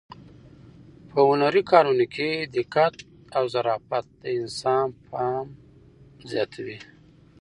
په هنري کارونو کې دقت او ظرافت د انسان پام زیاتوي.